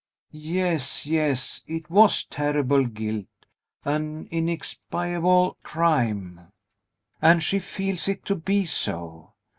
Yes, yes; it was terrible guilt, an inexpiable crime, and she feels it to be so.